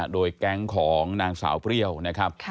โดยแก๊งของนางสาวเปรี้ยวนะครับ